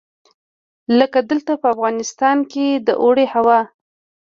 لکه دلته په افغانستان کې د اوړي هوا.